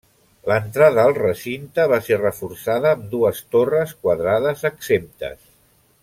L'entrada al recinte va ser reforçada amb dues torres quadrades exemptes.